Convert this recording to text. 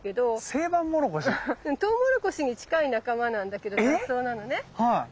セイバンモロコシ？トウモロコシに近い仲間なんだけど雑草なのね。